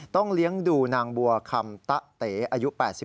เลี้ยงดูนางบัวคำตะเต๋อายุ๘๒